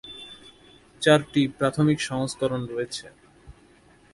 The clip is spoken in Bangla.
চারটি প্রাথমিক সংস্করণ রয়েছে।